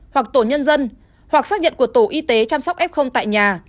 hoặc tổ nhân dân hoặc xác nhận của tổ y tế chăm sóc f tại nhà